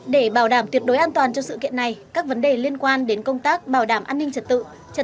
để bảo đảm tuyệt đối an toàn cho sự kiện này các vấn đề liên quan đến công tác bảo đảm an ninh trật tự